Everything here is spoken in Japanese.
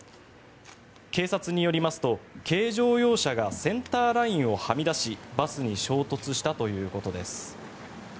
警察によりますと、軽乗用車がセンターラインをはみ出しバスに衝突したということです。